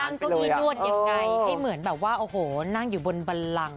เก้าอี้นวดยังไงให้เหมือนแบบว่าโอ้โหนั่งอยู่บนบันลัง